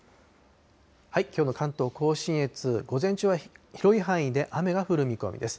きょうの関東甲信越、午前中は広い範囲で雨が降る見込みです。